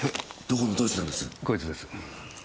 こいつです。